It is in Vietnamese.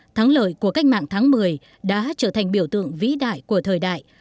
thắng lợi của cách mạng tháng một mươi đã trở thành biểu tượng vĩ đại của thời đại